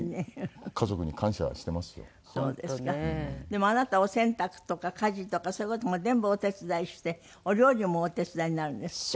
でもあなたお洗濯とか家事とかそういう事も全部お手伝いしてお料理もお手伝いになるんですって？